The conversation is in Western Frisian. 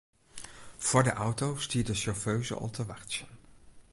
Foar de auto stie de sjauffeuze al te wachtsjen.